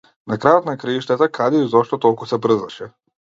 На крајот на краиштата, каде и зошто толку се брзаше?